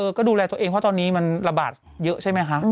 ก็ดูแลตัวเองเพราะตอนนี้มันระบาดเยอะใช่ไหมคะ